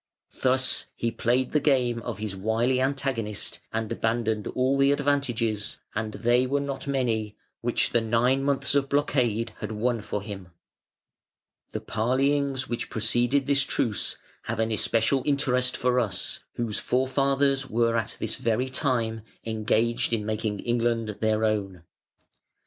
Thus he played the game of his wily antagonist, and abandoned all the advantages and they were not many which the nine months of blockade had won for him. The parleyings which preceded this truce have an especial interest for us, whose forefathers were at this very time engaged in making England their own.